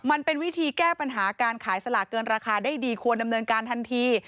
มันเป็นวิธีแก้ปัญหาการขายสลากเกินราคาได้ดีควรดำเนินการทันที